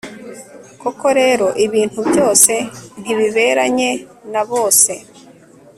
koko rero ibintu byose ntibiberanye na bose